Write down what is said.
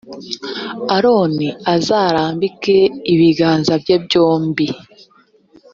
aroni azarambike ibiganza bye byombi